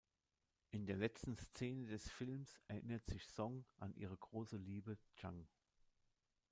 In der letzten Szene des Films erinnert sich Song an ihre große Liebe Chang.